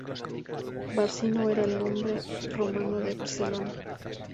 Barcino era el nombre romano de Barcelona.